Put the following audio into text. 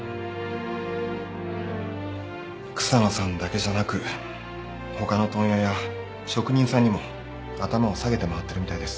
草野さんだけじゃなく他の問屋や職人さんにも頭を下げて回ってるみたいです。